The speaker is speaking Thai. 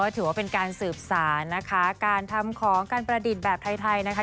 ถือว่าเป็นการสืบสารนะคะการทำของการประดิษฐ์แบบไทยนะคะ